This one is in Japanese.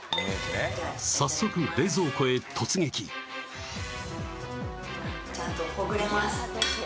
早速冷蔵庫へ突撃ちゃんとほぐれます